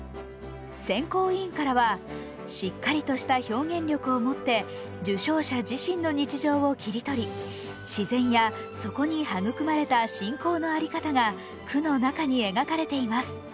選考委員からは「しっかりとした表現力を持って受賞者自身の日常を切り取り自然やそこに育まれた信仰の在り方が句の中に描かれています。